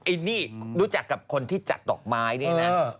ไอ้นี่รู้จักกับคนที่จัดดอกไม้นี่นะ